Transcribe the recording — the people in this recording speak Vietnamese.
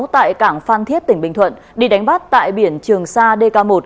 tại cảng phan thiết tỉnh bình thuận đi đánh bắt tại biển trường sa dk một